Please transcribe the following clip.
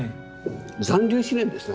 残留思念ですな。